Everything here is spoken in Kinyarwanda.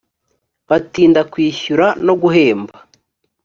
batinda kwishyura no guhemba